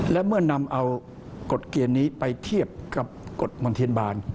และเมื่อนำเอากฎเกณฑ์นี้ไปเทียบกับกฎมนเทียนบาล